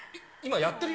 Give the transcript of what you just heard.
やってるよ？